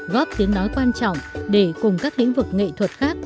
góp tiếng nói quan trọng để cùng các lĩnh vực nghệ thuật khác